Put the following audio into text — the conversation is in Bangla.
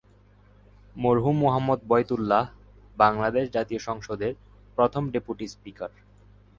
মরহুম মো:বয়তুল্লাহ, বাংলাদেশ জাতীয় সংসদের প্রথম ডেপুটি স্পীকার